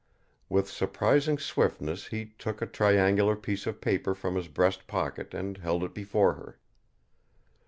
With surprising swiftness he took a triangular piece of paper from his breast pocket and held it before her.